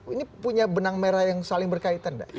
ini punya benang merah yang saling berkaitan nggak